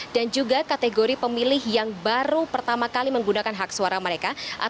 dan juga kategori pemilih yang baru pertama kali menggunakan hak suara mereka